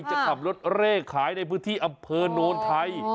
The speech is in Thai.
จะขับรถเร่ขายในพื้นที่อำเภอโนนไทย